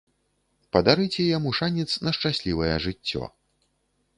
Падарыце яму шанец на шчаслівае жыццё!